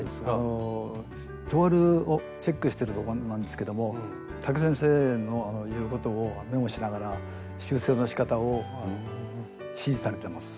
トワルをチェックしてるところなんですけどもタケ先生の言うことをメモしながら修正のしかたを指示されてます。